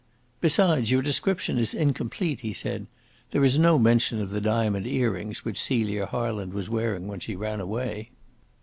"Besides, your description is incomplete," he said. "There is no mention of the diamond earrings which Celia Harland was wearing when she went away."